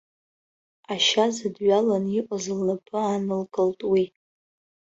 Ашьа зыдҩалан иҟаз лнапы аанылкылт уи.